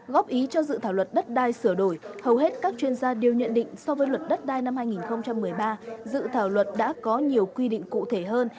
góp ý cho dự thảo luật đất đai sửa đổi hầu hết các chuyên gia đều nhận định so với luật đất đai năm hai nghìn một mươi ba dự thảo luật đã có nhiều quy định cụ thể hơn